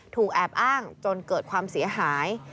ถูกแอบอ้างจนเกิดความเสียหาย